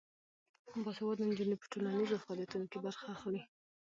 باسواده نجونې په ټولنیزو فعالیتونو کې برخه اخلي.